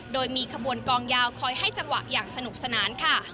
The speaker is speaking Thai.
โดยมีขบวนกองยาวคอยให้จังหวะอย่างสนุกสนานค่ะ